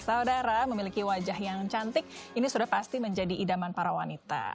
saudara memiliki wajah yang cantik ini sudah pasti menjadi idaman para wanita